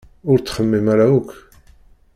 Ur ttxemmim ara akk.